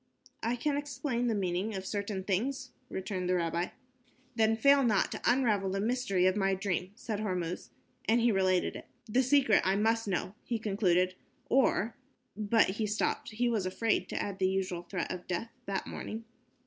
"I can explain the meaning of certain things," returned the rabbi. "Then fail not to unravel the mystery of my dream," said Hormuz, and he related it. "The secret I must know," he concluded, "or ." But he stopped. He was afraid to add the usual threat of death that morning.